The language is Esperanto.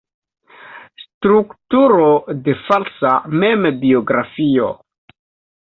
Strukturo de falsa membiografio.